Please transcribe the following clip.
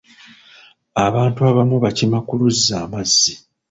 Abantu abamu bakima ku luzzi amazzi.